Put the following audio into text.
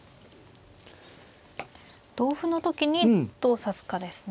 同歩の時にどう指すかですね。